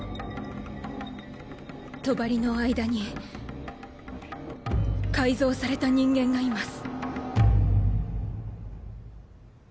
帳の間に改造された人間がいます。